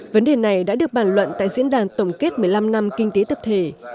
vấn đề này đã được bàn luận tại diễn đàn tổng kết một mươi năm năm kinh tế tập thể